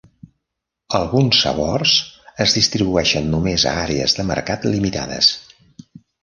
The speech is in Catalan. Alguns sabors es distribueixen només a àrees de mercat limitades.